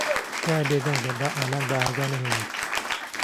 تکایە بێدەنگ بە با ئالان بە ئاگا نەھێنیت.